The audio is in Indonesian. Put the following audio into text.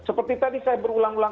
seperti tadi saya berulang ulang